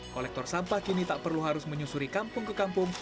kolektor sampah kini tak perlu harus menyusuri kampung ke kampung